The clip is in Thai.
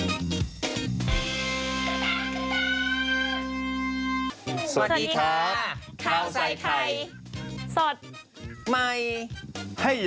สวัสดีค่ะข้าวใส่ไข่สดใหม่ให้เยอะ